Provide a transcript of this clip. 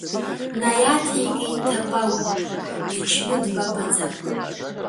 Наиаҭеикит Ҭапагә, дычны дбабаӡа.